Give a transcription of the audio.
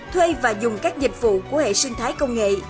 thuê và dùng các dịch vụ của hệ sinh thái công nghệ